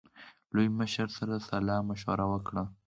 لوی مشر سره سلا مشوره وکړه.